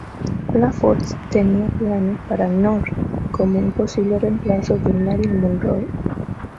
La Fox tenía planes para North como un posible reemplazo de Marilyn Monroe.